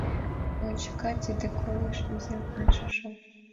Ончыкат тиде койыш изем ынже шого.